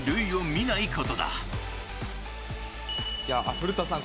古田さん